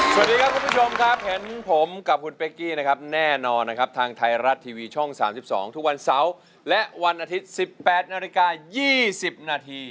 สวัสดีครับคุณผู้ชมครับเห็นผมกับคุณเป๊กกี้นะครับแน่นอนนะครับทางไทยรัฐทีวีช่อง๓๒ทุกวันเสาร์และวันอาทิตย์๑๘นาฬิกา๒๐นาที